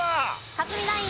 克実ナイン